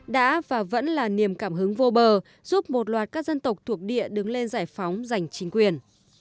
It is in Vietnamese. đã và vẫn là niềm cảm hứng vô bờ giúp một loạt các dân tộc thuộc địa đứng lên giải phóng giành chính quyền